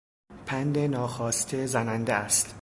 پند ناخواسته زننده است.